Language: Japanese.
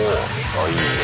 あいいね。